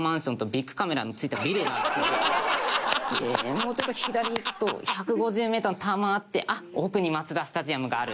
もうちょっと左行くと１５０メーターのタワマンあって奥にマツダスタジアムがある。